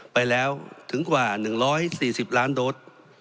ไปแล้วถึงกว่า๑๔๐ล้านโดส